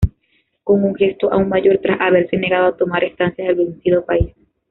Con un gesto aún mayor, tras haberse negado a tomar estancias del vencido país.